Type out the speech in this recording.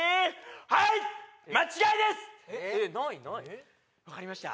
はい間違いですわかりました？